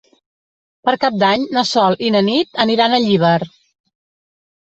Per Cap d'Any na Sol i na Nit aniran a Llíber.